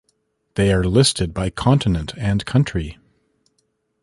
They are listed by continent and country.